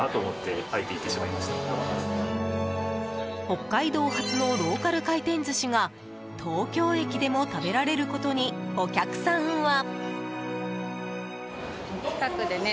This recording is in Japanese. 北海道発のローカル回転寿司が東京駅でも食べられることにお客さんは。